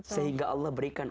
sehingga allah berikan